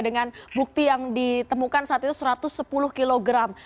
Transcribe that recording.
dengan bukti yang ditemukan saat itu satu ratus sepuluh kilogram